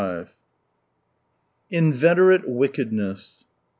55 35 Inveterate wickedness.